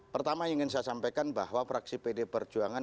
pertama ingin saya sampaikan bahwa fraksi pd perjuangan